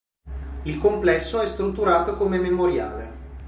Il complesso è strutturato come memoriale.